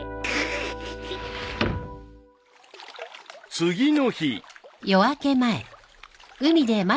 ［次の日］